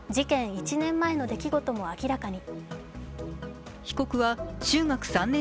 １年前の出来事も明らかに。